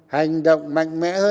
hành động mạnh mẽ hơn